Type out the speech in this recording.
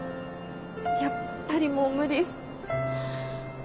やっぱりもう無理。